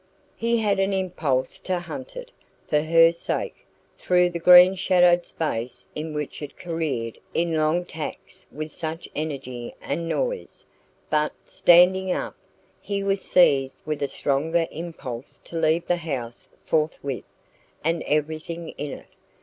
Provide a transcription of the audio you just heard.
He had an impulse to hunt it, for her sake, through the green shadowed space in which it careered in long tacks with such energy and noise; but, standing up, he was seized with a stronger impulse to leave the house forthwith, and everything in it.